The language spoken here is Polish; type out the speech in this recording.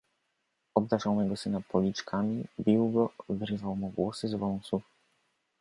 "Obdarzał mego syna policzkami, bił go, wyrywał mu włosy z wąsów."